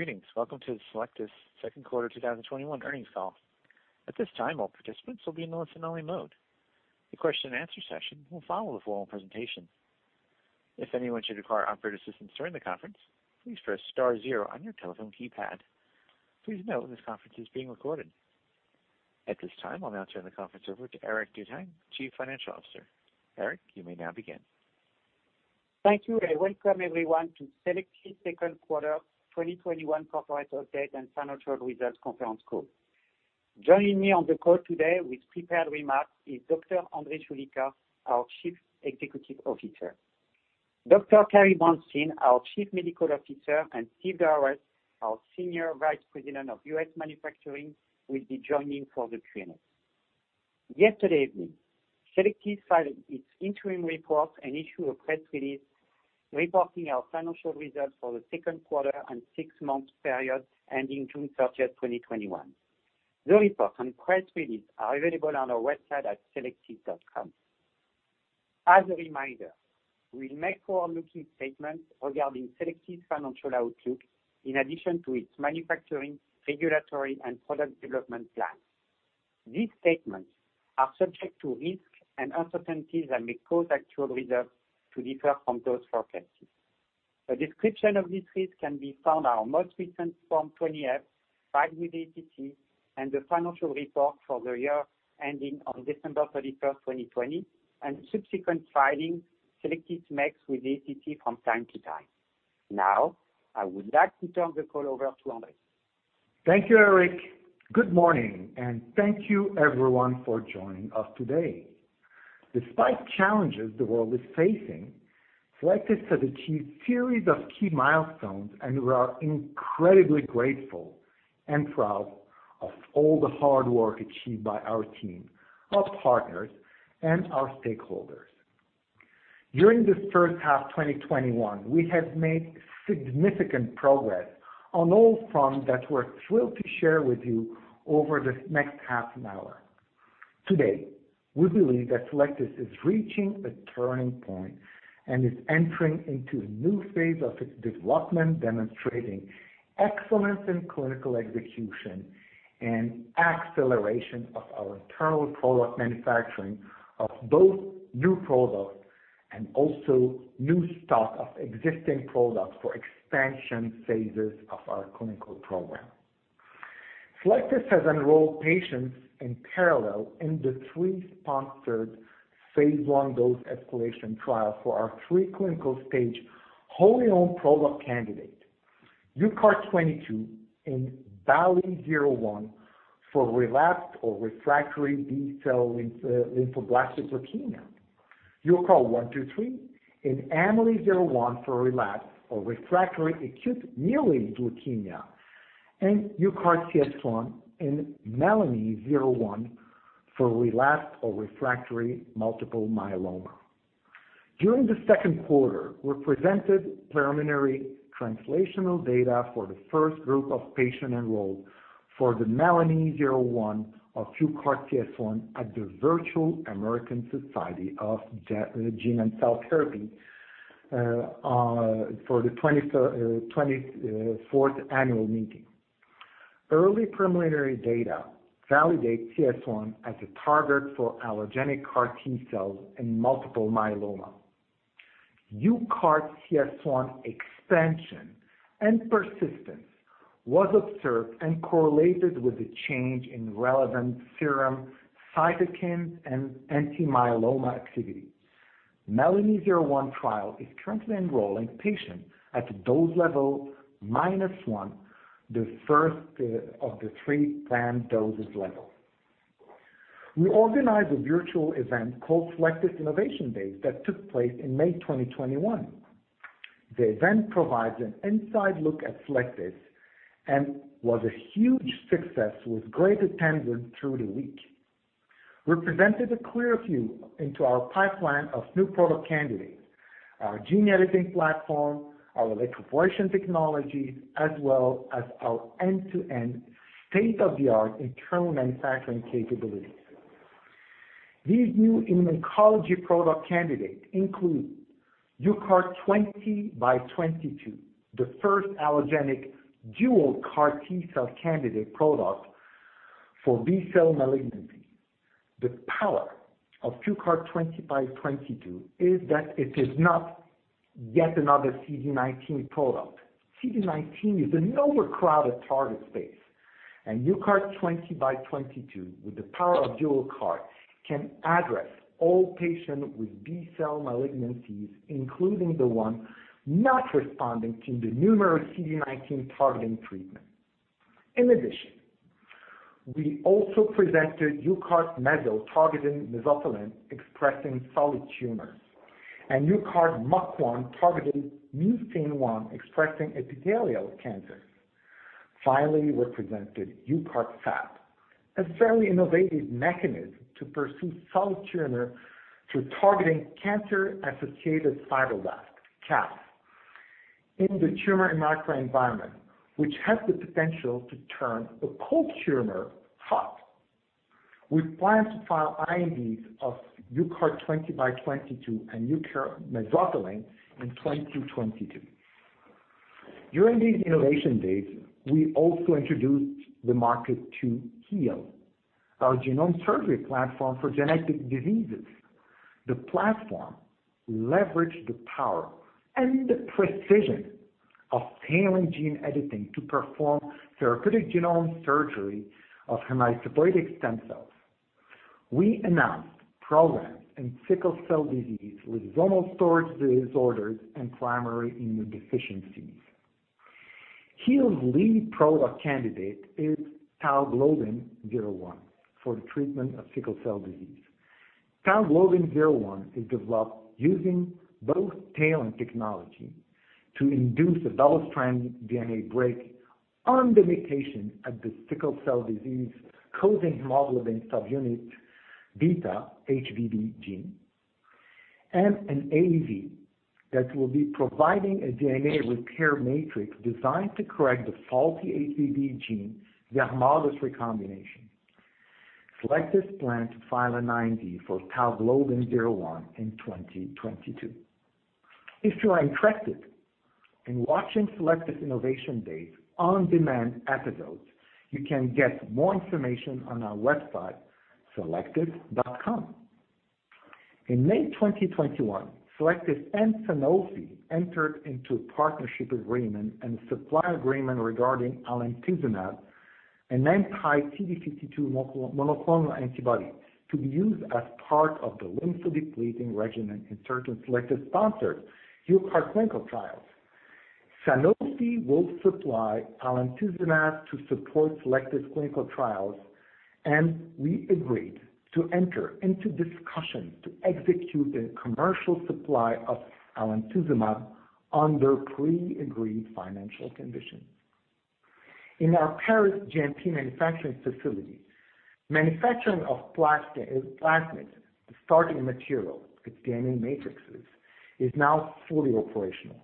Greetings. Welcome to Cellectis' Second Quarter 2021 Earnings Call. At this time, all participants will be in listen-only mode. The question and answer session will follow the formal presentation. If anyone should require operator assistance during the conference, please press star zero on your telephone keypad. Please note this conference is being recorded. At this time, I'll now turn the conference over to Eric Dutang, Chief Financial Officer. Eric, you may now begin. Thank you. Welcome everyone to Cellectis second quarter 2021 corporate update and financial results conference call. Joining me on the call today with prepared remarks is Dr. André Choulika, our Chief Executive Officer. Dr. Carrie Brownstein, our Chief Medical Officer, and Steve Doares, our Senior Vice President of U.S. Manufacturing, will be joining for the Q&A. Yesterday evening, Cellectis filed its interim report and issued a press release reporting our financial results for the 2nd quarter and six-month period ending June 30th, 2021. The report and press release are available on our website at cellectis.com. As a reminder, we make forward-looking statements regarding Cellectis financial outlook, in addition to its manufacturing, regulatory, and product development plans. These statements are subject to risks and uncertainties that may cause actual results to differ from those forecasts. A description of these risks can be found on our most recent Form 20-F filed with the SEC and the financial report for the year ending on December 31st, 2020, and subsequent filings Cellectis makes with the SEC from time to time. I would like to turn the call over to André. Thank you, Eric. Good morning, and thank you everyone for joining us today. Despite challenges the world is facing, Cellectis has achieved series of key milestones, and we are incredibly grateful and proud of all the hard work achieved by our team, our partners, and our stakeholders. During this first half 2021, we have made significant progress on all fronts that we're thrilled to share with you over this next half an hour. Today, we believe that Cellectis is reaching a turning point and is entering into a new phase of its development, demonstrating excellence in clinical execution and acceleration of our internal product manufacturing of both new products and also new stock of existing products for expansion phases of our clinical program. Cellectis has enrolled patients in parallel in the three sponsored phase I dose-escalation trial for our three clinical stage wholly owned product candidate. UCART22 in BALLI-01 for relapsed or refractory B-cell lymphoblastic leukemia. UCART123 in AMELI-01 for relapsed or refractory acute myeloid leukemia. UCARTCS1 in MELANI-01 for relapsed or refractory multiple myeloma. During the second quarter, we presented preliminary translational data for the first group of patient enrolled for the MELANI-01 of UCARTCS1 at the virtual American Society of Gene & Cell Therapy, for the 24th annual meeting. Early preliminary data validates CS1 as a target for allogeneic CAR T-cells in multiple myeloma. UCARTCS1 expansion and persistence was observed and correlated with the change in relevant serum cytokines and anti-myeloma activity. MELANI-01 trial is currently enrolling patients at dose level minus one, the first of the three planned dosage level. We organized a virtual event called Cellectis Innovation Days that took place in May 2021. The event provides an inside look at Cellectis and was a huge success with great attendance through the week. We presented a clear view into our pipeline of new product candidates, our gene editing platform, our electroporation technology, as well as our end-to-end state-of-the-art internal manufacturing capabilities. These new immunology product candidates include UCART20x22, the first allogeneic dual CAR T-cell candidate product for B-cell malignancy. The power of UCART20x22 is that it is not yet another CD19 product. CD19 is an overcrowded target space, UCART20x22, with the power of dual CAR, can address all patients with B-cell malignancies, including the one not responding to the numerous CD19 targeting treatment. In addition, we also presented UCARTMESO targeting mesothelin expressing solid tumors, and UCARTMUC1 targeting mucin 1, expressing epithelial cancer. We presented UCARTFAP, a fairly innovative mechanism to pursue solid tumor through targeting cancer-associated fibroblasts, CAF, in the tumor microenvironment, which has the potential to turn a cold tumor hot. We plan to file INDs of UCART20x22 and UCARTMESO in 2022. During these Innovation Days, we also introduced the market to .HEAL, our genome surgery platform for genetic diseases. The platform leveraged the power and the precision of TALEN gene editing to perform therapeutic genome surgery of hematopoietic stem cells. We announced programs in sickle cell disease with lysosomal storage disorders and primary immunodeficiencies. .HEAL's lead product candidate is TALGlobin01 for the treatment of sickle cell disease. TALGlobin01 is developed using both TALEN technology to induce a double-strand DNA break on the mutation at the sickle cell disease coding hemoglobin subunit beta HBB gene, and an AAV that will be providing a DNA repair matrix designed to correct the faulty HBB gene via homologous recombination. Cellectis plans to file an IND for TALGlobin01 in 2022. If you are interested in watching Cellectis Innovation Days on-demand episodes, you can get more information on our website, cellectis.com. In May 2021, Cellectis and Sanofi entered into a partnership agreement and supply agreement regarding alemtuzumab, an anti-CD52 monoclonal antibody to be used as part of the lymphodepleting regimen in certain Cellectis sponsored UCART clinical trials. Sanofi will supply alemtuzumab to support Cellectis clinical trials. We agreed to enter into discussions to execute the commercial supply of alemtuzumab under pre-agreed financial conditions. In our Paris GMP manufacturing facility, manufacturing of plasmids, the starting material with DNA matrices, is now fully operational.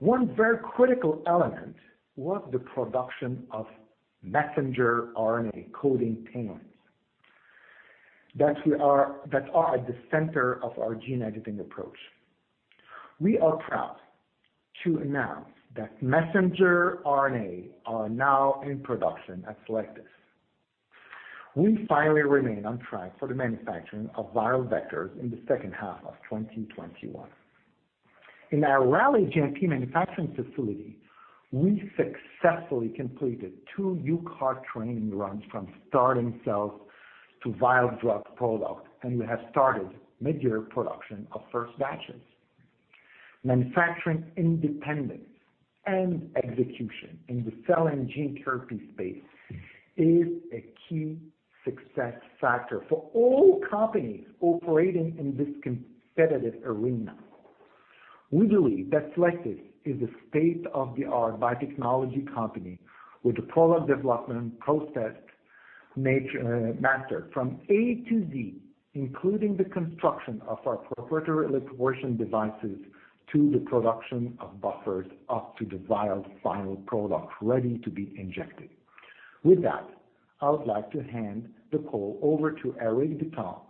One very critical element was the production of messenger RNA coding TALE that are at the center of our gene editing approach. We are proud to announce that messenger RNA are now in production at Cellectis. We finally remain on track for the manufacturing of viral vectors in the second half of 2021. In our Raleigh GMP manufacturing facility, we successfully completed two UCART training runs from starting cells to vial drug product, and we have started midyear production of first batches. Manufacturing independence and execution in the cell and gene therapy space is a key success factor for all companies operating in this competitive arena. We believe that Cellectis is a state-of-the-art biotechnology company with the product development process mastered from A to Z, including the construction of our proprietary electroporation devices to the production of buffers up to the vial final product ready to be injected. With that, I would like to hand the call over to Eric Dutang,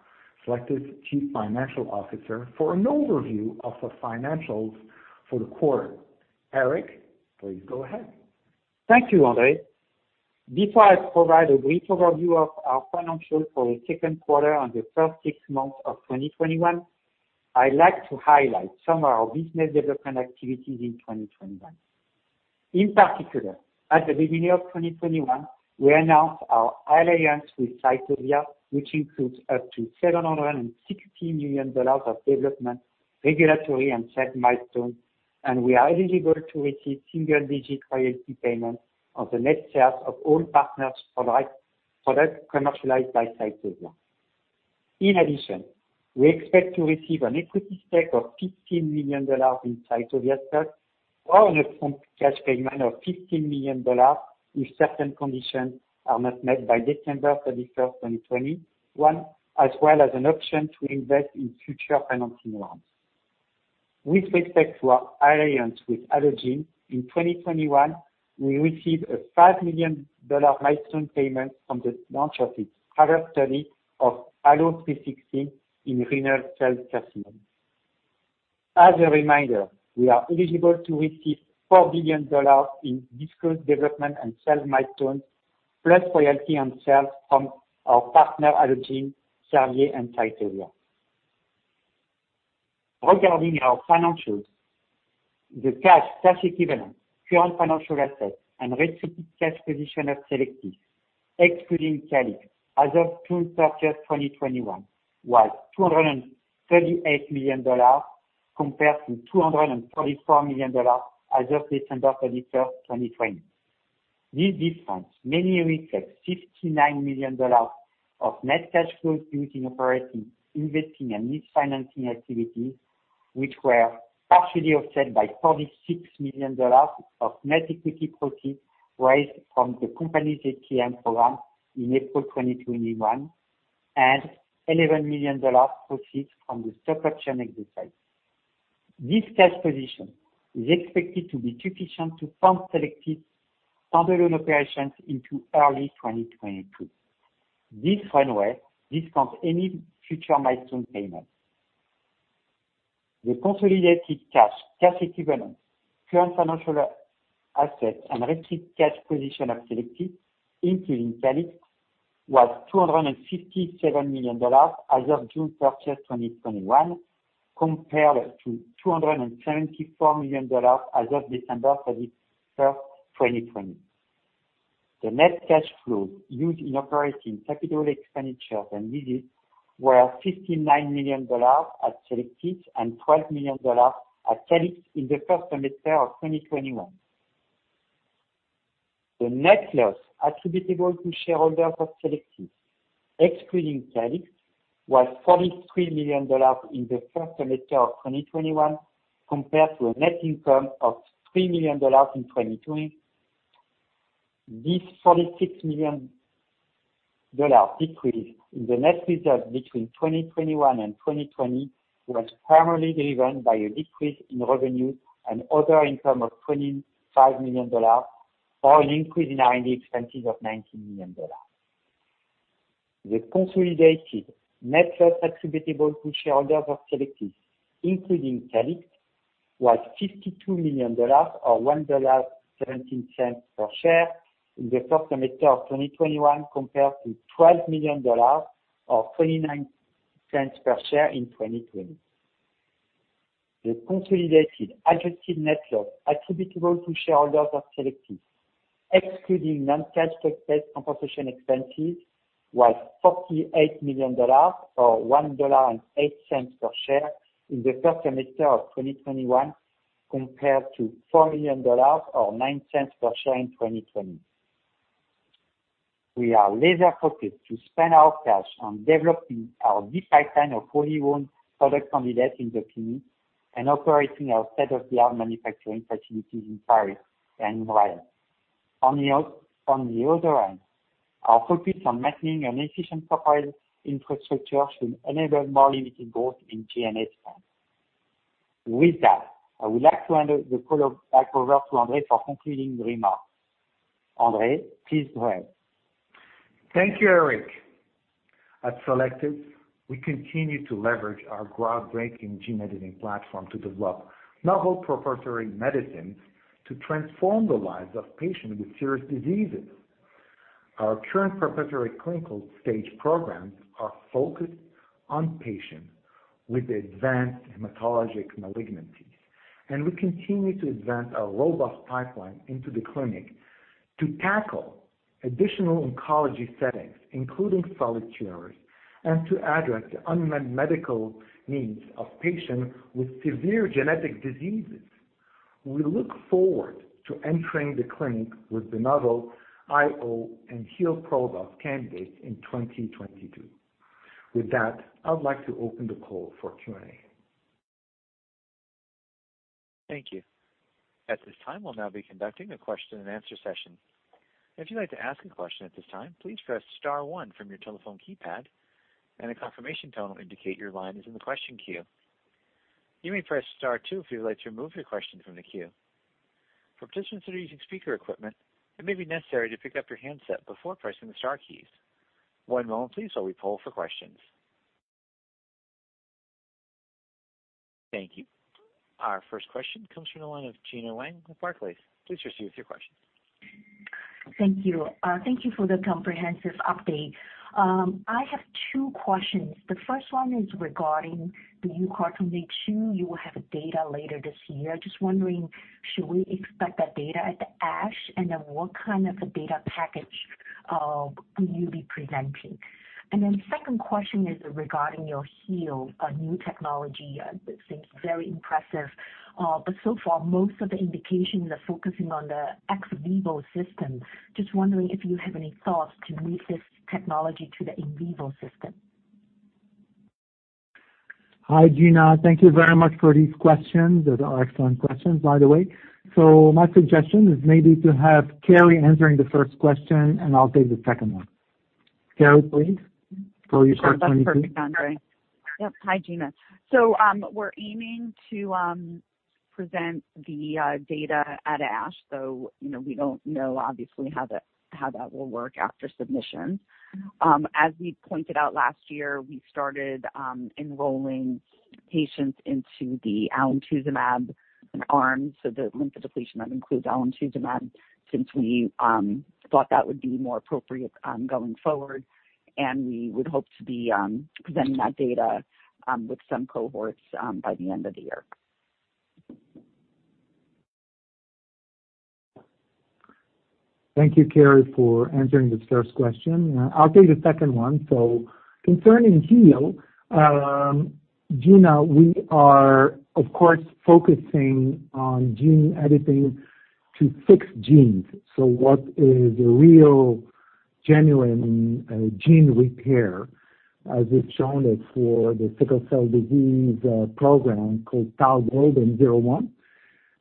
Cellectis Chief Financial Officer, for an overview of the financials for the quarter. Eric, please go ahead. Thank you, Andre. Before I provide a brief overview of our financials for the second quarter on the first six months of 2021, I'd like to highlight some of our business development activities in 2021. At the beginning of 2021, we announced our alliance with Cytovia, which includes up to $760 million of development, regulatory, and sales milestones, and we are eligible to receive single-digit royalty payments on the net sales of all partners' products commercialized by Cytovia. We expect to receive an equity stake of $15 million in Cytovia stock or an upfront cash payment of $15 million if certain conditions are not met by December 31st, 2021, as well as an option to invest in future financing rounds. With respect to our alliance with Allogene, in 2021, we received a $5 million milestone payment from the launch of its HARPER study of ALLO-316 in renal cell carcinoma. As a reminder, we are eligible to receive $4 billion in disclosed development and sales milestones, plus royalty on sales from our partner Allogene, Servier, and Cytovia. Regarding our financials, the cash equivalents, current financial assets, and restricted cash position of Cellectis, excluding Calyxt, as of June 30th, 2021, was $238 million compared to $244 million as of December 31st, 2020. This difference mainly reflects EUR 59 million of net cash flows due to operating, investing, and net financing activities, which were partially offset by EUR 46 million of net equity proceeds raised from the company's ATM program in April 2021 and EUR 11 million proceeds from the stock option exercise. This cash position is expected to be sufficient to fund selected standalone operations into early 2022. This runway discounts any future milestone payments. The consolidated cash equivalents, current financial assets, and restricted cash position of Cellectis, including Calyxt, was EUR 257 million as of June 30th, 2021, compared to EUR 274 million as of December 31st, 2020. The net cash flow used in operating capital expenditures and leases were EUR 59 million at Cellectis and EUR 12 million at Calyxt in the first semester of 2021. The net loss attributable to shareholders of Cellectis, excluding Calyxt, was $43 million in the first semester of 2021, compared to a net income of $3 million in 2020. This $46 million decrease in the net results between 2021 and 2020 was primarily driven by a decrease in revenue and other income of $25 million, or an increase in R&D expenses of $19 million. The consolidated net loss attributable to shareholders of Cellectis, including Calyxt, was $52 million, or $1.17 per share, in the first semester of 2021, compared to $12 million, or $0.29 per share in 2020. The consolidated adjusted net loss attributable to shareholders of Cellectis, excluding non-cash stock-based compensation expenses, was $48 million or $1.08 per share in the first semester of 2021, compared to $4 million or $0.09 per share in 2020. We are laser-focused to spend our cash on developing our deep pipeline of wholly-owned product candidates in the clinic and operating our state-of-the-art manufacturing facilities in Paris and in Raleigh. On the other hand, our focus on maintaining an efficient corporate infrastructure should enable more limited growth in G&A spend. With that, I would like to hand the call back over to André for concluding remarks. André, please go ahead. Thank you, Eric. At Cellectis, we continue to leverage our groundbreaking gene editing platform to develop novel proprietary medicines to transform the lives of patients with serious diseases. Our current proprietary clinical stage programs are focused on patients with advanced hematologic malignancies. We continue to advance our robust pipeline into the clinic to tackle additional oncology settings, including solid tumors, and to address the unmet medical needs of patients with severe genetic diseases. We look forward to entering the clinic with the novel IO and HEAL product candidates in 2022. With that, I would like to open the call for Q&A. Our first question comes from the line of Gena Wang with Barclays. Please proceed with your question. Thank you. Thank you for the comprehensive update. I have two questions. The first one is regarding the UCART22, you will have data later this year. Just wondering, should we expect that data at the ASH? What kind of a data package will you be presenting? Second question is regarding your .HEAL, a new technology that seems very impressive. So far, most of the indications are focusing on the ex vivo system. Just wondering if you have any thoughts to move this technology to the in vivo system. Hi, Gena. Thank you very much for these questions. Those are excellent questions, by the way. My suggestion is maybe to have Carrie answering the first question, and I'll take the second one. Carrie, please, for your question. Sure. That's perfect, André. Yep. Hi, Gena. We're aiming to present the data at ASH. We don't know, obviously, how that will work after submission. As we pointed out last year, we started enrolling patients into the alemtuzumab arm. The lymphodepletion, that includes alemtuzumab, since we thought that would be more appropriate going forward, and we would hope to be presenting that data with some cohorts by the end of the year. Thank you, Carrie, for answering the first question. I'll take the second one. Concerning .HEAL, Gena, we are, of course, focusing on gene editing to fix genes. What is a real, genuine gene repair, as we've shown it for the sickle cell disease program called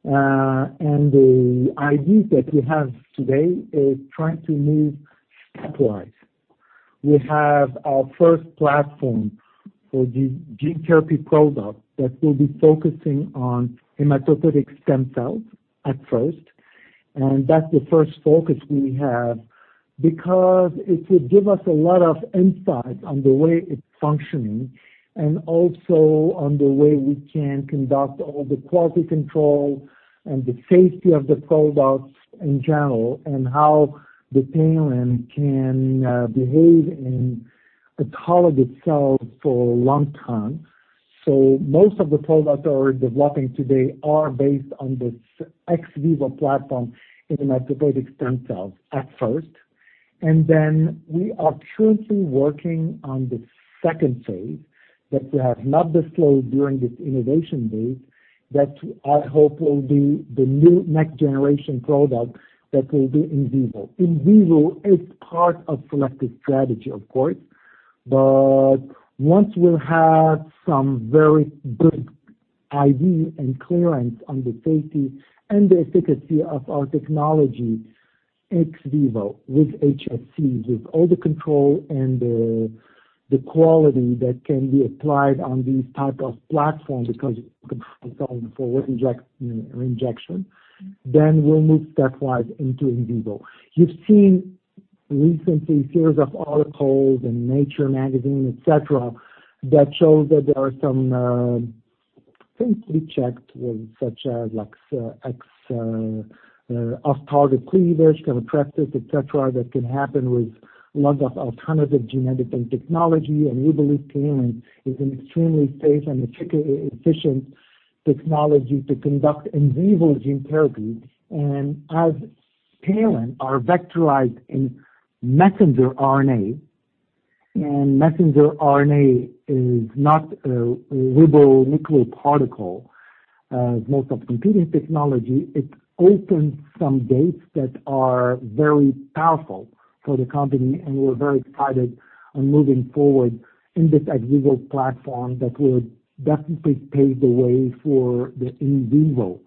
TALGlobin01. The idea that we have today is trying to move stepwise. We have our first platform for the gene therapy product that will be focusing on hematopoietic stem cells at first. That's the first focus we have, because it will give us a lot of insight on the way it's functioning and also on the way we can conduct all the quality control and the safety of the products in general, and how the TALEN can behave and tolerate itself for a long time. Most of the products we are developing today are based on this ex vivo platform in hematopoietic stem cells at first. We are currently working on the phase II, that we have not disclosed during this Innovation Date, that I hope will be the new next generation product that will be in vivo. In vivo is part of Cellectis strategy, of course. Once we'll have some very good in vivo and clearance on the safety and the efficacy of our technology ex vivo with HSC, with all the control and the quality that can be applied on this type of platform because for injection, then we'll move stepwise into in vivo. You've seen recently series of articles in Nature magazine, et cetera, that show that there are some things to be checked with such as off-target cleavage, genotoxicity, et cetera, that can happen with lot of alternative gene editing technology. We believe TALEN is an extremely safe and efficient technology to conduct in vivo gene therapy. As TALEN are vectorized in messenger RNA, and messenger RNA is not a ribonucleoprotein particle, as most of competing technology, it opens some gates that are very powerful for the company, and we're very excited on moving forward in this ex vivo platform that will definitely pave the way for the in vivo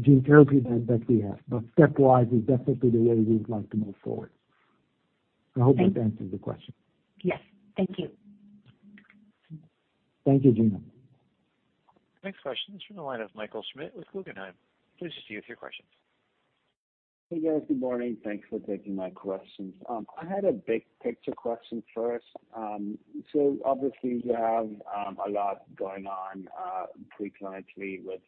gene therapy that we have. Stepwise is definitely the way we would like to move forward. I hope that answered the question. Yes. Thank you. Thank you, Gena. Next question is from the line of Michael Schmidt with Guggenheim. Please proceed with your question. Hey, guys. Good morning. Thanks for taking my questions. I had a big picture question first. Obviously you have a lot going on pre-clinically with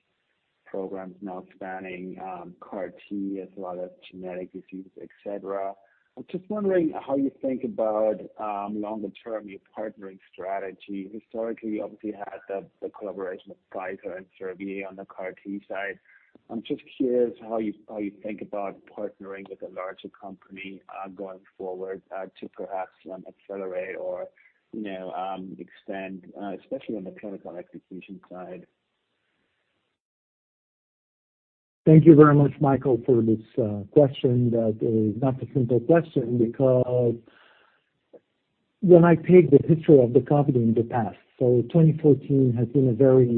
programs now spanning CAR T as well as genetic diseases, et cetera. I'm just wondering how you think about, longer term, your partnering strategy. Historically, obviously you had the collaboration with Pfizer and Servier on the CAR T side. I'm just curious how you think about partnering with a larger company going forward to perhaps accelerate or extend, especially on the clinical execution side. Thank you very much, Michael, for this question that is not a simple question because when I take the history of the company in the past, 2014 has been a very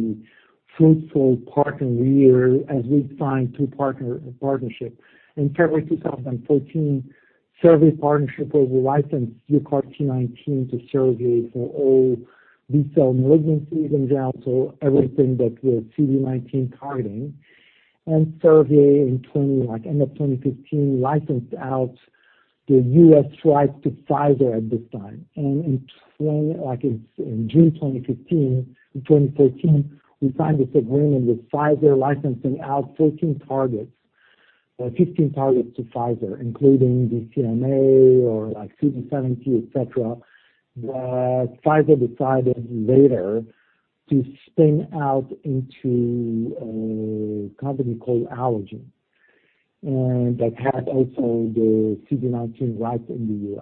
fruitful partnering year as we signed two partnerships. In February 2014, Servier partnership where we licensed UCART19 to Servier for all B-cell malignancies, in general, everything but the CD19 targeting. Servier in end of 2015 licensed out the U.S. rights to Pfizer at this time. In June 2015, in 2014, we signed this agreement with Pfizer licensing out 14 targets or 15 targets to Pfizer, including BCMA or like CD72, et cetera. Pfizer decided later to spin out into a company called Allogene, and that had also the CD19 right in the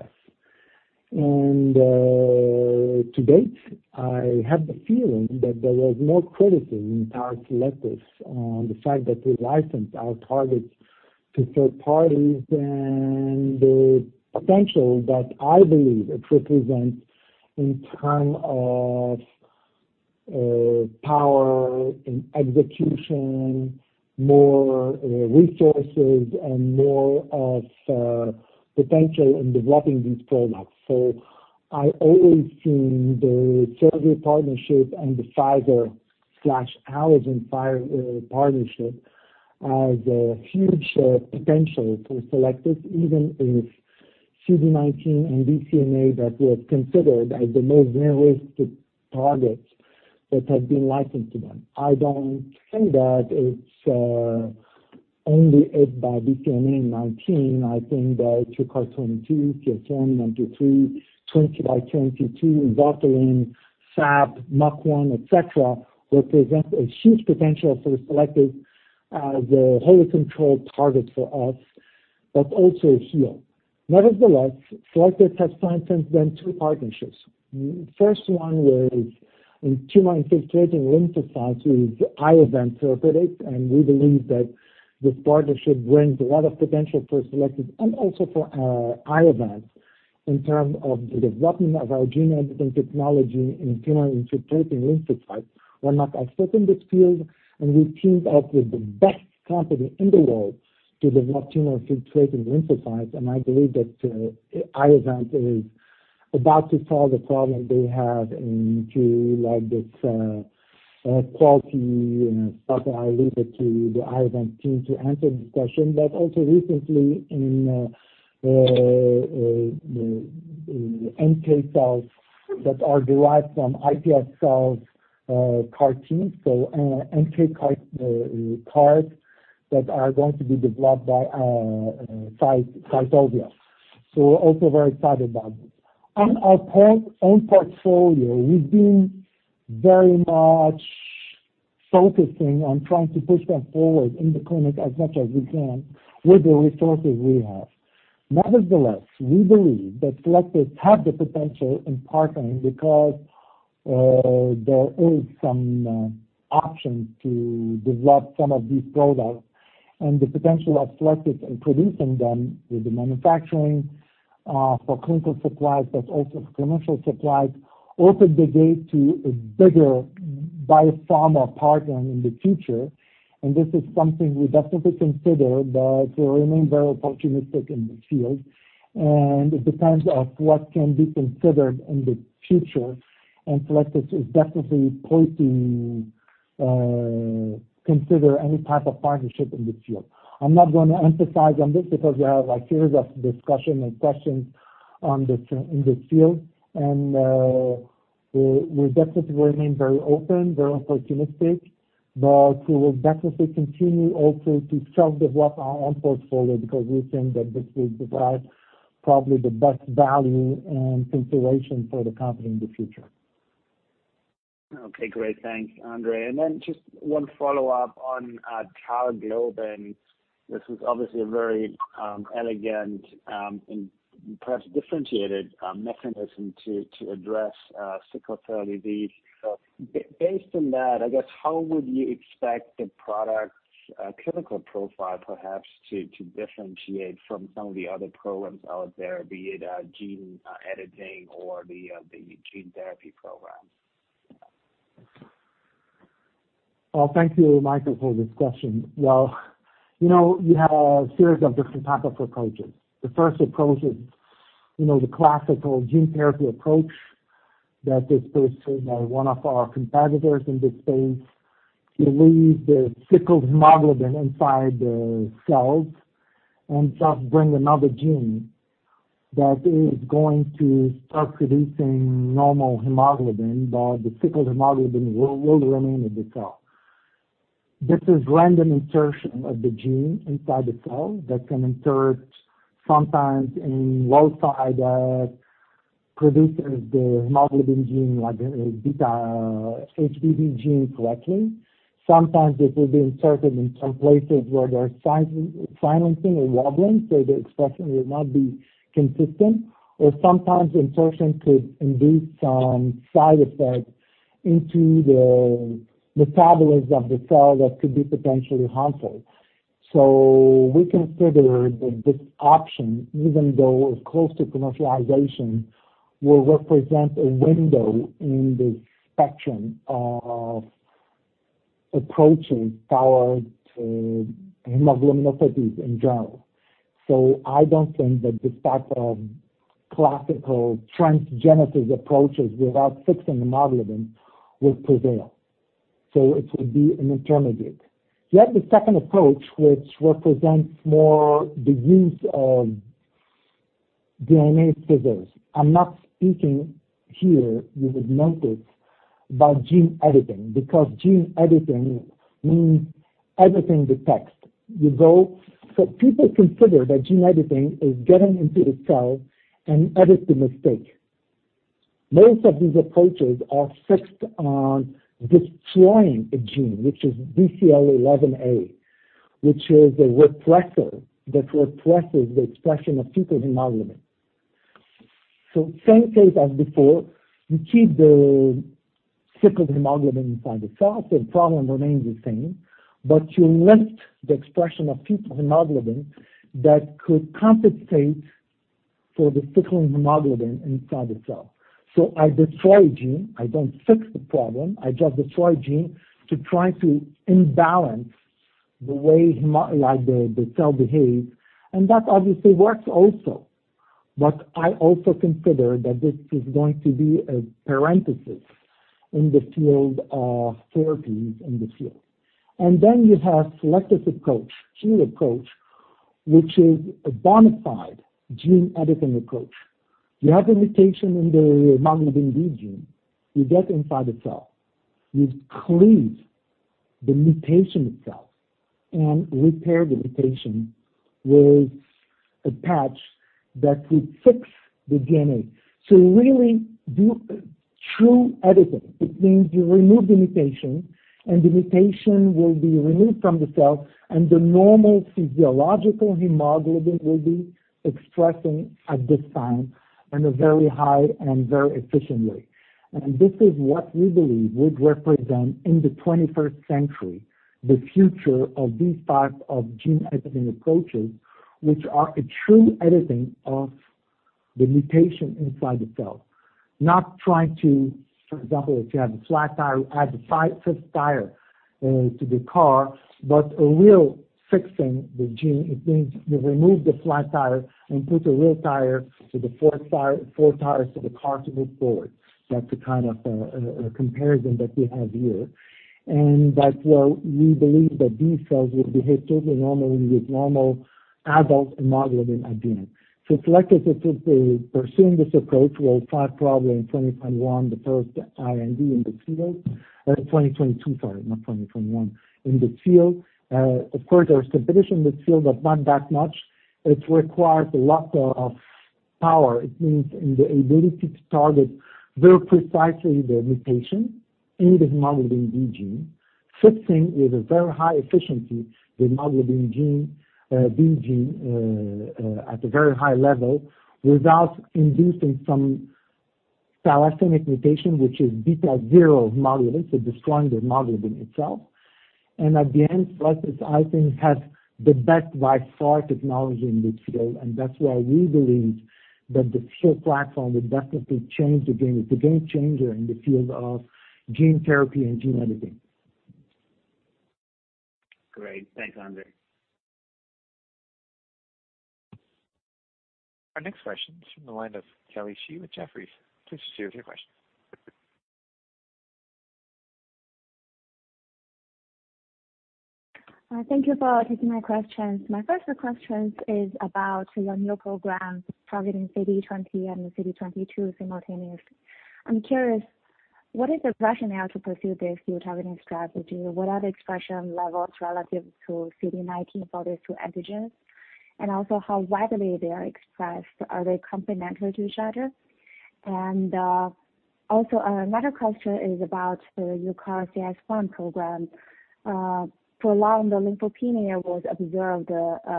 U.S. To date, I have the feeling that there was more credit in our Cellectis on the fact that we licensed our targets to third parties than the potential that I believe it represents in term of power, in execution, more resources, and more potential in developing these products. I always seen the Servier partnership and the Pfizer/Allogene partnership as a huge potential for Cellectis, even if CD19 and BCMA that were considered as the most realistic targets that had been licensed to them. I don't think that it's only led by BCMA 19. I think that UCART22, CS1, 123, 20x22, Votolimod, SAB, MUC1, et cetera, represent a huge potential for Cellectis as a wholly controlled target for us, but also here. Nevertheless, Cellectis has signed since then two partnerships. First one was in tumor-infiltrating lymphocytes with Iovance Therapeutics. We believe that this partnership brings a lot of potential for Cellectis and also for Iovance in terms of the development of our gene editing technology in tumor-infiltrating lymphocytes. We're not experts in this field. We teamed up with the best company in the world to develop tumor-infiltrating lymphocytes. I believe that Iovance is about to solve the problem they have and to this quality stuff that I leave it to the Iovance team to answer the question, also recently in NK cells that are derived from iPSC, CAR-T, so NK CAR that are going to be developed by Cytovia. We're also very excited about this. On our own portfolio, we've been very much focusing on trying to push them forward in the clinic as much as we can with the resources we have. Nevertheless, we believe that Cellectis have the potential in partnering because there is some option to develop some of these products and the potential of Cellectis in producing them with the manufacturing for clinical supplies, but also for commercial supplies, open the gate to a bigger biopharma partner in the future. This is something we definitely consider, but we remain very opportunistic in this field. It depends of what can be considered in the future, and Cellectis is definitely poised to consider any type of partnership in this field. I'm not going to emphasize on this because you have a series of discussion and questions in this field. We'll definitely remain very open, very opportunistic, but we will definitely continue also to self-develop our own portfolio because we think that this will provide probably the best value and consideration for the company in the future. Okay, great. Thanks, André. Just one follow-up on TALGlobin01, this is obviously a very elegant, and perhaps differentiated mechanism to address sickle cell disease. Based on that, I guess how would you expect the product's clinical profile perhaps to differentiate from some of the other programs out there, be it gene editing or the gene therapy programs? Thank you, Michael, for this question. You have a series of different type of approaches. The first approach is the classical gene therapy approach that is pursued by one of our competitors in this space. You leave the sickled hemoglobin inside the cells and just bring another gene that is going to start producing normal hemoglobin, but the sickled hemoglobin will remain in the cell. This is random insertion of the gene inside the cell that can insert sometimes in one side produces the hemoglobin gene, like HBB gene correctly. Sometimes it will be inserted in some places where there are silencing or wobbling, so the expression will not be consistent. Sometimes insertion could induce some side effects into the metabolism of the cell that could be potentially harmful. We consider that this option, even though it's close to commercialization, will represent a window in the spectrum of approaches toward hemoglobinopathies in general. I don't think that this type of classical transgenesis approaches without fixing hemoglobin will prevail. It will be an intermediate. You have the second approach, which represents more the use of DNA scissors. I'm not speaking here, you would notice, about gene editing, because gene editing means editing the text. People consider that gene editing is getting into the cell and edit the mistake. Most of these approaches are fixed on destroying a gene, which is BCL11A, which is a repressor that represses the expression of fetal hemoglobin. Same case as before, you keep the sickled hemoglobin inside the cell, so the problem remains the same, but you lift the expression of fetal hemoglobin that could compensate for the sickling hemoglobin inside the cell. I destroy gene, I don't fix the problem. I just destroy gene to try to imbalance the way the cell behaves, and that obviously works also. I also consider that this is going to be a parenthesis in the field of therapies in the field. Then you have Cellectis approach, gene approach, which is a bonafide gene editing approach. You have a mutation in the hemoglobin B gene. You get inside the cell. You cleave the mutation itself and repair the mutation with a patch that will fix the DNA. Really do true editing. It means you remove the mutation, and the mutation will be removed from the cell, and the normal physiological hemoglobin will be expressing at this time in a very high and very efficient way. This is what we believe would represent in the 21st century, the future of these types of gene editing approaches, which are a true editing of the mutation inside the cell. Not trying to, for example, if you have a flat tire, add the fifth tire to the car, but really fixing the gene. It means you remove the flat tire and put a real tire to the four tires, so the car can move forward. That's the kind of comparison that we have here. That we believe that these cells will behave totally normally with normal adult hemoglobin again. Cellectis is pursuing this approach. We will file probably in 2021, the first IND in the field. 2022, sorry, not 2021, in the field. There's competition in the field, but not that much. It requires a lot of power. It means in the ability to target very precisely the mutation in the hemoglobin B gene, fixing with a very high efficiency, the hemoglobin B gene at a very high level, without inducing some thalassemic mutation, which is beta-zero hemoglobin, so destroying the hemoglobin itself. At the end, Cellectis, I think, has the best by far technology in the field, and that's why we believe that the .HEAL platform will definitely change the game. It's a game changer in the field of gene therapy and gene editing. Great. Thanks, André. Our next question is from the line of Kelly Shi with Jefferies. Please proceed with your question. Thank you for taking my questions. My first question is about your new program targeting CD20 and CD22 simultaneously. I'm curious, what is the rationale to pursue this dual targeting strategy? What are the expression levels relative to CD19 for these two antigens, and also how widely they are expressed? Are they complementary to each other? Another question is about your CAR CS1 program. Prolonged lymphopenia was observed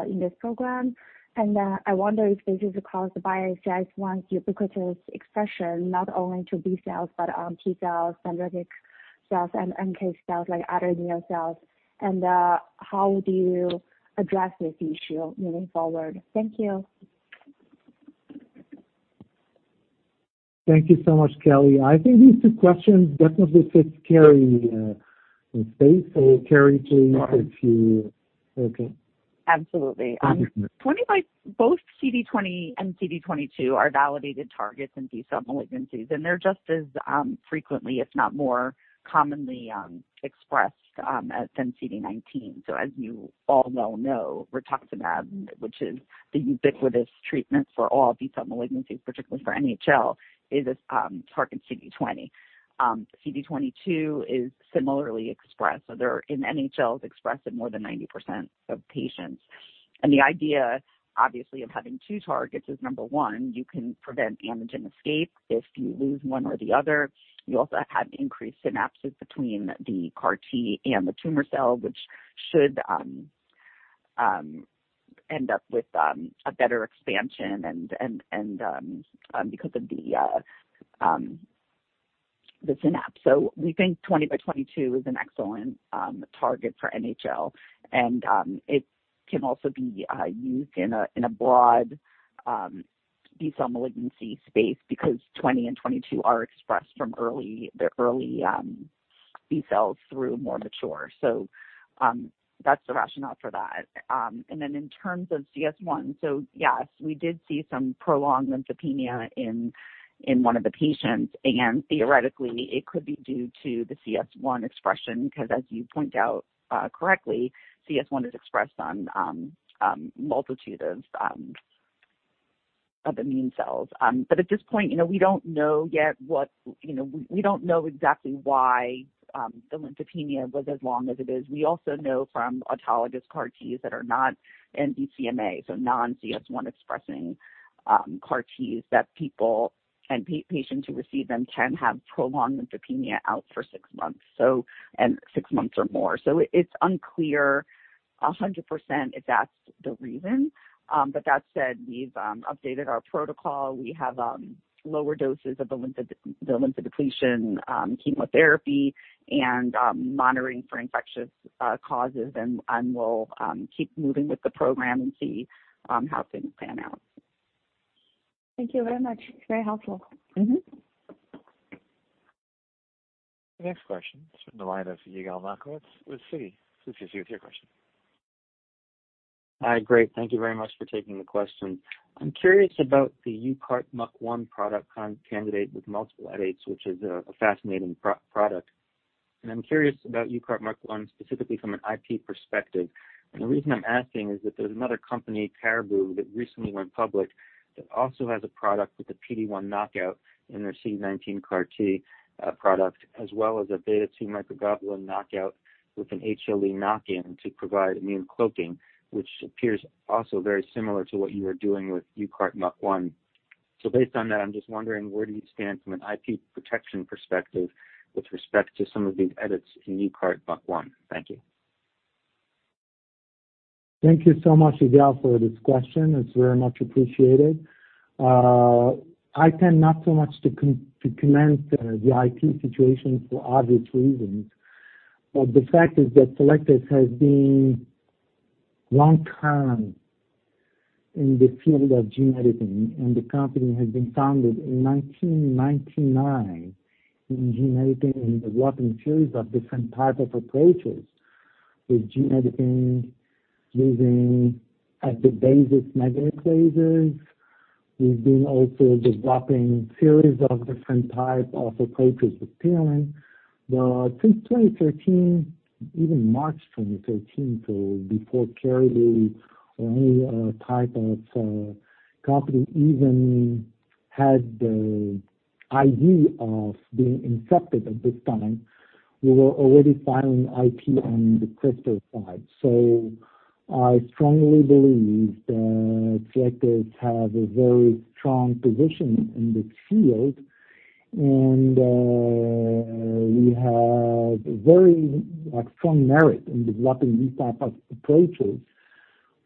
in this program, and I wonder if this is caused by CS1's ubiquitous expression not only to B cells, but on T cells, dendritic cells, and NK cells, like other immune cells. How do you address this issue moving forward? Thank you. Thank you so much, Kelly. I think these two questions definitely fit Carrie, in space. Carrie, please, okay. Absolutely. Both CD20 and CD22 are validated targets in B cell malignancies, and they're just as frequently, if not more commonly, expressed than CD19. As you all well know, rituximab, which is the ubiquitous treatment for all B cell malignancies, particularly for NHL, is targeting CD20. CD22 is similarly expressed. They're, in NHLs, expressed in more than 90% of patients. The idea, obviously, of having two targets is, number one, you can prevent antigen escape if you lose one or the other. You also have increased synapses between the CAR T and the tumor cell, which should end up with a better expansion and because of the synapse. We think 20 by 22 is an excellent target for NHL. It can also be used in a broad B cell malignancy space because 20 and 22 are expressed from the early B cells through more mature. That's the rationale for that. In terms of CS1, we did see some prolonged lymphopenia in one of the patients, and theoretically, it could be due to the CS1 expression, because as you point out correctly, CS1 is expressed on a multitude of immune cells. At this point, we don't know exactly why the lymphopenia was as long as it is. We also know from autologous CAR Ts that are not anti-BCMA, so non-CS1 expressing CAR Ts, that people and patients who receive them can have prolonged lymphopenia out for 6 months or more. It's unclear 100% if that's the reason. That said, we've updated our protocol. We have lower doses of the lympho-depletion chemotherapy and monitoring for infectious causes, and we'll keep moving with the program and see how things pan out. Thank you very much. Very helpful. The next question is from the line of Yigal Nochomovitz with Citi. Please proceed with your question. Hi. Great. Thank you very much for taking the question. I'm curious about the UCARTMUC1 product candidate with multiple edits, which is a fascinating product. I'm curious about UCARTMUC1 specifically from an IP perspective. The reason I'm asking is that there's another company, Caribou, that recently went public that also has a product with a PD1 knockout in their CD19 CAR T product, as well as a beta-2 microglobulin knockout with an HLA knock-in to provide immune cloaking, which appears also very similar to what you are doing with UCARTMUC1. Based on that, I'm just wondering, where do you stand from an IP protection perspective with respect to some of these edits in UCARTMUC1? Thank you. Thank you so much, Yigal, for this question. It's very much appreciated. I tend not so much to comment the IP situation for obvious reasons. The fact is that Cellectis has been long-term in the field of gene editing, and the company has been founded in 1999 in gene editing and developing series of different type of approaches with gene editing using as the basis meganucleases. We've been also developing series of different type of approaches with TALEN. Since 2013, even March 2013, before Caribou or any type of company even had the idea of being incepted at this time, we were already filing IP on the CRISPR side. I strongly believe that Cellectis have a very strong position in the field, and we have very strong merit in developing these type of approaches.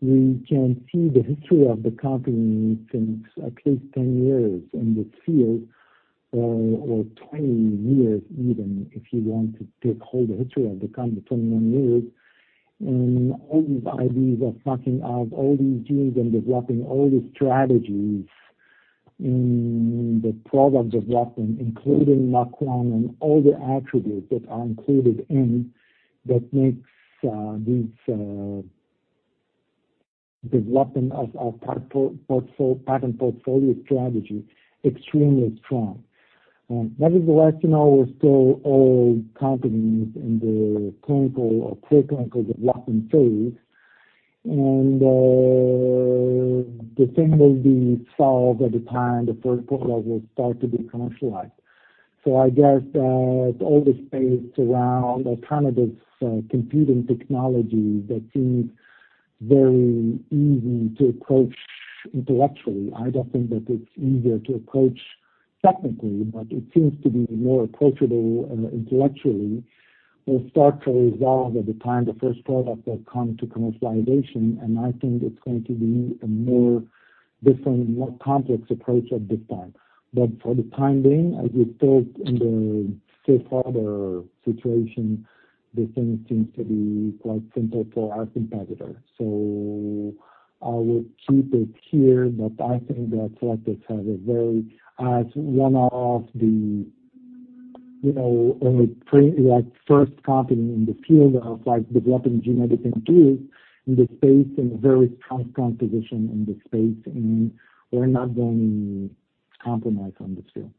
We can see the history of the company since at least 10 years in the field, or 20 years even, if you want to take whole history of the company, 21 years. All these ideas of knocking out all these genes and developing all the strategies and the products development, including MUC1 and all the attributes that are included in, that makes this development of our patent portfolio strategy extremely strong. Nevertheless, we're still early company in the clinical or preclinical development phase. The thing will be solved at the time the first product will start to be commercialized. I guess, all the space around kind of this computing technology that seems very easy to approach intellectually. I don't think that it's easier to approach technically, but it seems to be more approachable intellectually, will start to resolve at the time the first product that come to commercialization, and I think it's going to be a more different, more complex approach at this time. For the time being, as we talked in the safe harbor situation, this thing seems to be quite simple for our competitor. I will keep it here, but I think that Cellectis has a very, as one of the only first company in the field of developing gene editing tools in the space, and very strong position in this space, and we're not going to compromise on this field.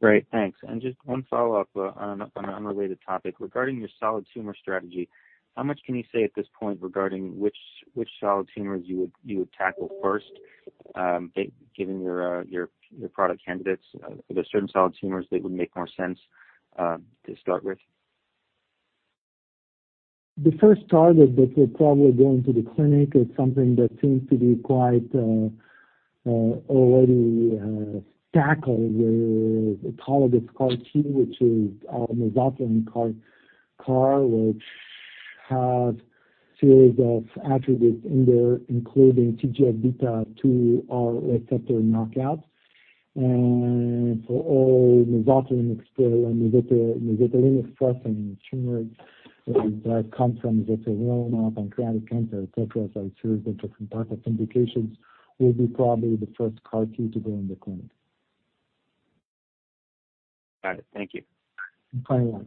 Great. Thanks. Just one follow-up on an unrelated topic. Regarding your solid tumor strategy, how much can you say at this point regarding which solid tumors you would tackle first, given your product candidates? Are there certain solid tumors that would make more sense to start with? The first target that will probably go into the clinic is something that seems to be quite already tackled, where the target is CAR T, which is a mono-offering CAR, which have series of attributes in there, including TGF-β receptor II knockout, and for all mesothelin and metastatic tumor that comes from mesothelioma and pancreatic cancer, etcetera. A series of different types of indications will be probably the first CAR T to go in the clinic. Got it. Thank you. No problem. The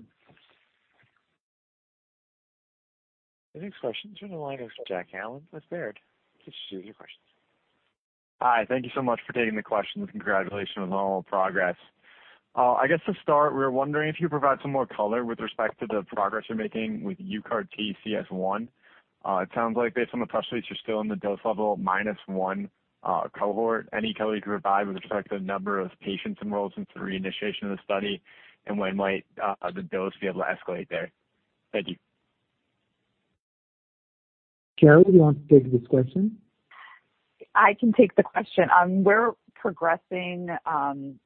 next question is from the line of Jack Allen with Baird. Please issue your questions. Hi. Thank you so much for taking the question, and congratulations on all progress. I guess to start, we were wondering if you could provide some more color with respect to the progress you're making with UCARTCS1. It sounds like based on the press release, you're still in the dose level -1 cohort. Any color you could provide with respect to the number of patients enrolled since the reinitiation of the study, and when might the dose be able to escalate there? Thank you. Carrie, do you want to take this question? I can take the question. We're progressing well in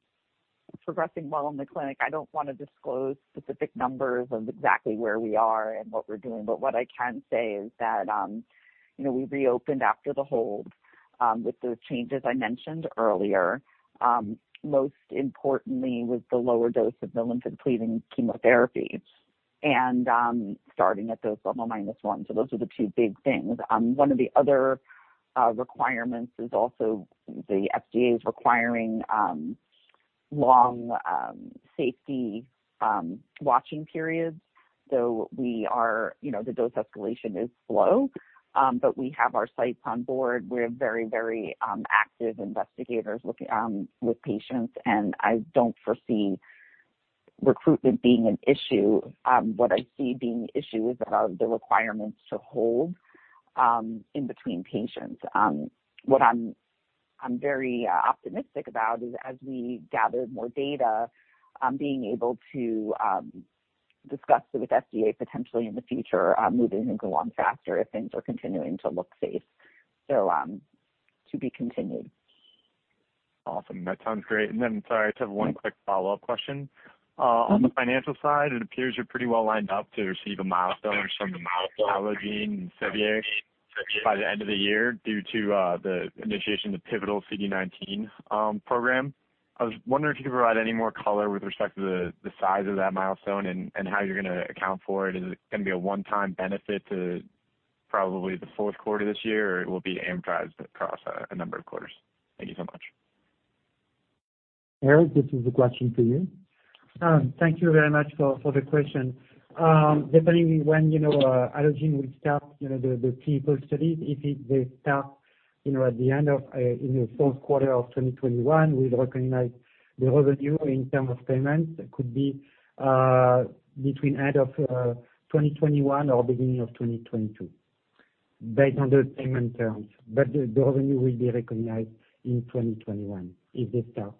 the clinic. I don't want to disclose specific numbers of exactly where we are and what we're doing, but what I can say is that we reopened after the hold with the changes I mentioned earlier. Most importantly, with the lower dose of the lymphodepleting chemotherapy and starting at dose level -1. Those are the two big things. One of the other requirements is also the FDA is requiring long safety watching periods. The dose escalation is slow, but we have our sites on board. We're very active investigators with patients, and I don't foresee recruitment being an issue. What I see being the issue is about the requirements to hold in between patients. What I'm very optimistic about is as we gather more data, being able to discuss it with FDA potentially in the future, moving things along faster if things are continuing to look safe. To be continued. Awesome. That sounds great. Sorry, just have one quick follow-up question. On the financial side, it appears you're pretty well lined up to receive a milestone from Allogene in February, by the end of the year, due to the initiation of the pivotal CD19 program. I was wondering if you could provide any more color with respect to the size of that milestone and how you're going to account for it. Is it going to be a one-time benefit to probably the fourth quarter this year, or it will be amortized across a number of quarters? Thank you so much. Eric, this is a question for you. Thank you very much for the question. Depending when Allogene will start the pivotal studies, if they start at the end of fourth quarter of 2021, we'll recognize the revenue in term of payments could be between end of 2021 or beginning of 2022, based on the payment terms. The revenue will be recognized in 2021, if they start.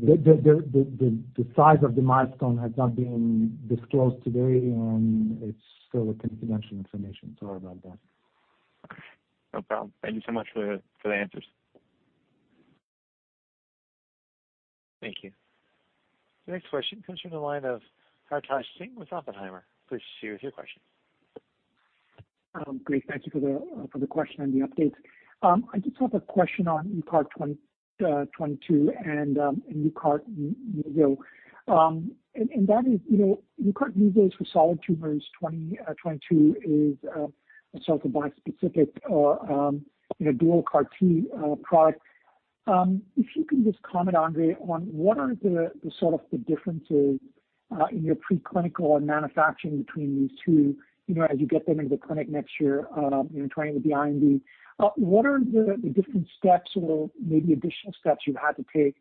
The size of the milestone has not been disclosed today. It's still a confidential information. Sorry about that. No problem. Thank you so much for the answers. Thank you. The next question comes from the line of Hartaj Singh with Oppenheimer. Please share your question. Great. Thank you for the question and the updates. I just have a question on UCART22 and UCARTMESO. That is, UCARTMESO for solid tumors 22 is a sort of a bispecific dual CAR T product. If you can just comment, André, on what are the sort of the differences in your preclinical and manufacturing between these two, as you get them into the clinic next year in 2020 with the IND, what are the different steps or maybe additional steps you've had to take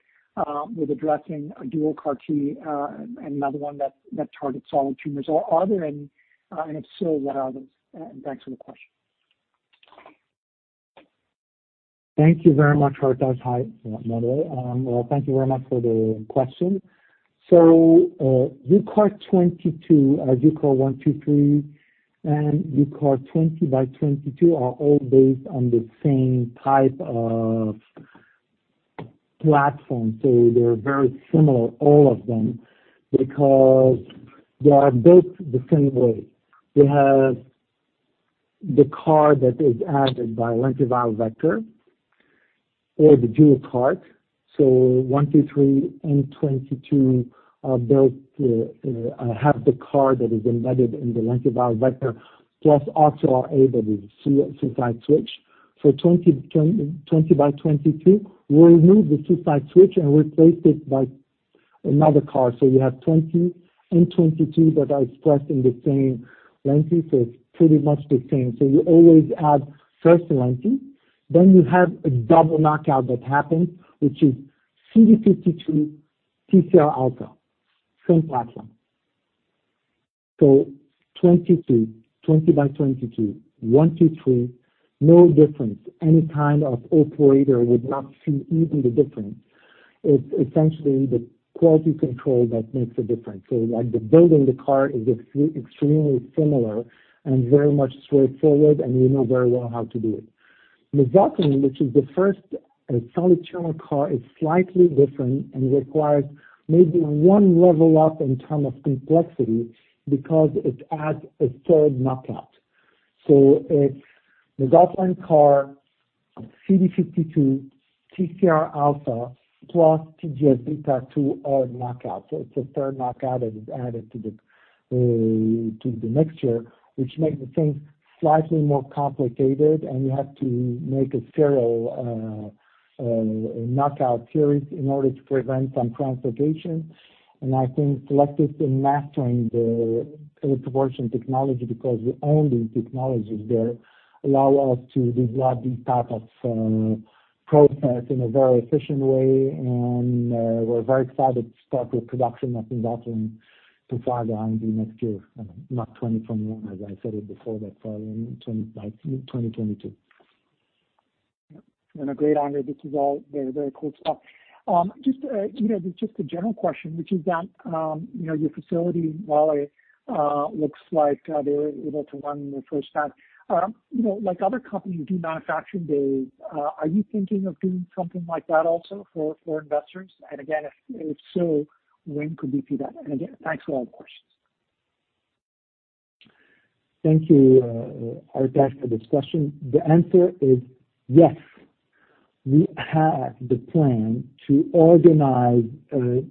with addressing a dual CAR T, and another one that targets solid tumors? Are there any? If so, what are they? Thanks for the question. Thank you very much, Hartaj. Hi, André. Thank you very much for the question. UCART22, UCART123, and UCART 20 by 22 are all based on the same type of platform. They're very similar, all of them, because they are built the same way. They have the CAR that is added by lentiviral vector or the dual CAR. 123 and 22 have the CAR that is embedded in the lentiviral vector, plus also our RQR8 suicide switch. For 20 by 22, we removed the suicide switch and replaced it by another CAR. You have 20 and 22 that are expressed in the same lenti. It's pretty much the same. You always add first lenti, then you have a double knockout that happens, which is CD52 TCR alpha, same platform. 22, 20 by 22, 123, no difference. Any kind of operator would not see even the difference. It's essentially the quality control that makes a difference. Like the building the CAR is extremely similar and very much straightforward, and we know very well how to do it. The docking, which is the first solid tumor CAR, is slightly different and requires maybe one level up in terms of complexity because it adds a third knockout. It's the resulting CAR CD52 TCR alpha plus TGFBR2 knockout. It's a third knockout that is added to the mixture, which makes the things slightly more complicated, and you have to make a serial knockout series in order to prevent some translocation. I think Cellectis has been mastering the electroporation technology because we own these technologies that allow us to develop these type of process in a very efficient way, and we're very excited to start the production of the docking to file the IND next year. Not 2021, as I said it before, but probably by 2022. Yep. A great honor. This is all very cool stuff. Just a general question, which is that your facility in Raleigh looks like they're able to run the first time. Like other companies do manufacturing days, are you thinking of doing something like that also for investors? Again, if so, when could we see that? Again, thanks for all the questions. Thank you, Hartaj, for this question. The answer is yes. We have the plan to organize a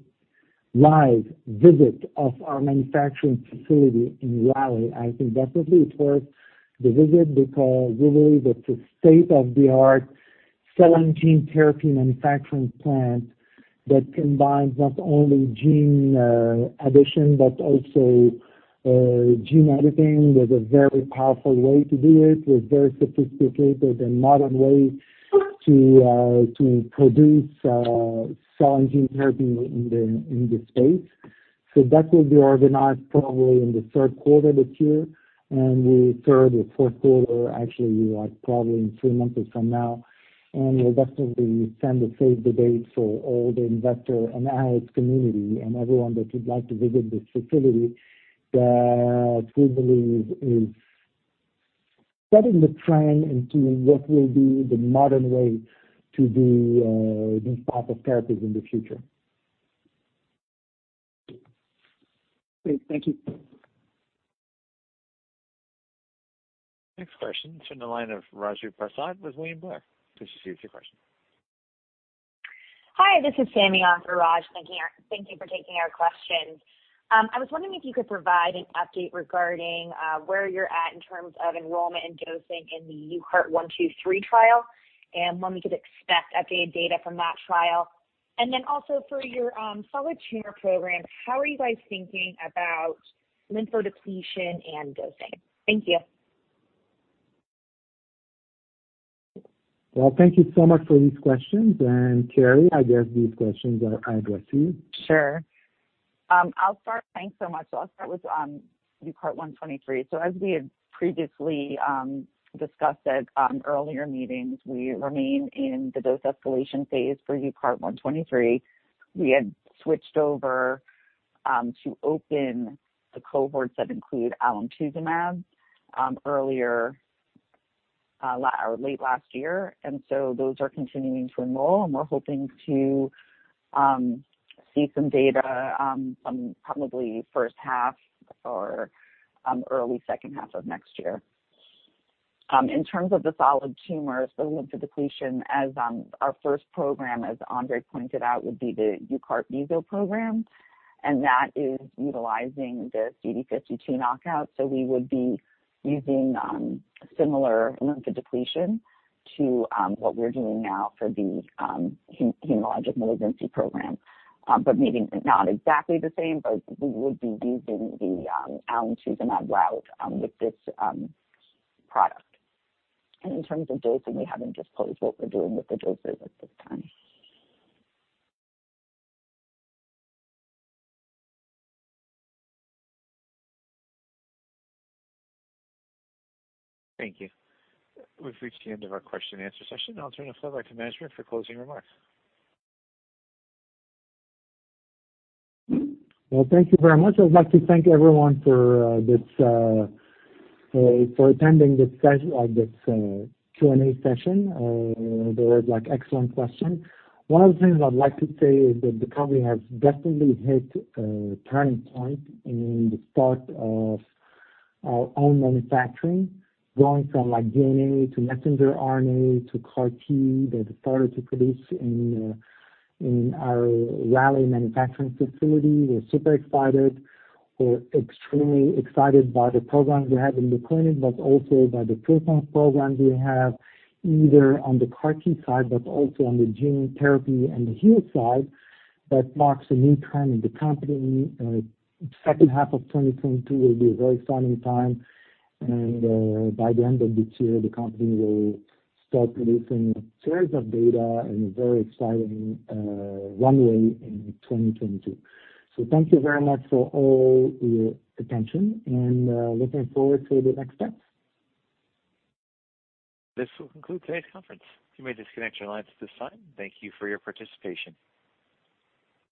live visit of our manufacturing facility in Raleigh. I think that will be towards the visit because really, that's a state-of-the-art cell and gene therapy manufacturing plant that combines not only gene addition, but also gene editing with a very powerful way to do it, with very sophisticated and modern way to produce cell and gene therapy in the space. That will be organized probably in the third quarter this year. The third or fourth quarter, actually, like probably in 3 months from now. We'll definitely send a save the date for all the investor and analyst community and everyone that would like to visit this facility that we believe is setting the trend into what will be the modern way to do these type of therapies in the future. Great. Thank you. Next question is from the line of Raju Prasad with William Blair. Please proceed with your question. Hi, this is Sammy on for Raj. Thank you for taking our question. I was wondering if you could provide an update regarding where you're at in terms of enrollment and dosing in the UCART123 trial, and when we could expect updated data from that trial. Also for your solid tumor program, how are you guys thinking about lymphodepletion and dosing? Thank you. Well, thank you so much for these questions. Carrie, I guess these questions are addressed to you. Sure. Thanks so much. I'll start with UCART123. As we had previously discussed at earlier meetings, we remain in the dose escalation phase for UCART123. We had switched over to open the cohorts that include alemtuzumab earlier or late last year. Those are continuing to enroll, and we're hoping to see some data from probably first half or early second half of next year. In terms of the solid tumors, the lymphodepletion as our first program, as André pointed out, would be the UCARTMESO program, and that is utilizing the CD52 knockout. We would be using similar lymphodepletion to what we're doing now for the hematologic malignancy program. Maybe not exactly the same, but we would be using the alemtuzumab route with this product. In terms of dosing, we haven't disclosed what we're doing with the doses at this time. Thank you. We've reached the end of our question and answer session. I'll turn the floor back to management for closing remarks. Thank you very much. I'd like to thank everyone for attending this Q&A session. There was excellent questions. One of the things I'd like to say is that the company has definitely hit a turning point in the start of our own manufacturing, going from DNA to messenger RNA to CAR T that started to produce in our Raleigh manufacturing facility. We're super excited. We're extremely excited by the programs we have in the clinic, but also by the pipeline programs we have, either on the CAR T side, but also on the gene therapy and the .HEAL side. That marks a new trend in the company. Second half of 2022 will be a very exciting time, and by the end of this year, the company will start producing series of data and a very exciting runway in 2022. Thank you very much for all your attention and looking forward to the next steps. This will conclude today's conference. You may disconnect your lines at this time. Thank you for your participation.